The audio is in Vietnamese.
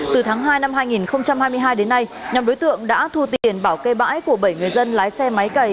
từ tháng hai năm hai nghìn hai mươi hai đến nay nhóm đối tượng đã thu tiền bảo kê bãi của bảy người dân lái xe máy cày